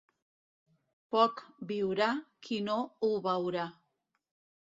Poc viurà qui no ho veurà.